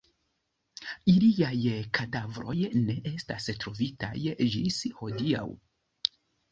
Iliaj kadavroj ne estas trovitaj ĝis hodiaŭ.